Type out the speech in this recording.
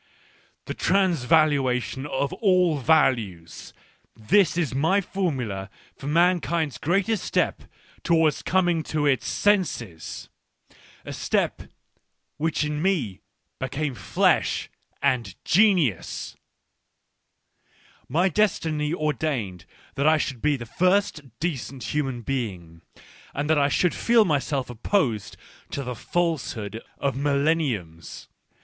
The Transvaluation of all Values, this is my formula for mankind's greatest step towards coming to its 13* Digitized by Google 132 ECCE HOMO senses — a step which in me became flesh and genius. My destiny ordained that I should be the first decent human being, and that I should feel myself opposed to the falsehood of millenniums.